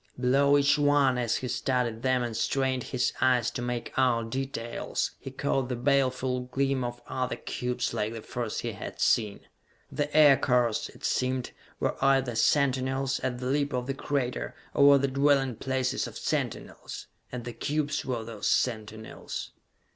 Below each one, as he studied them and strained his eyes to make out details, he caught the baleful gleam of other cubes like the first he had seen. The aircars, it seemed, were either sentinels, at the lip of the crater, or were the dwelling places of sentinels and the cubes were those sentinels!